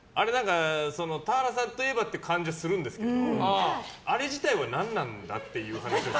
田原さんといえばって感じはするんですけどあれ自体は何なんだっていう話を。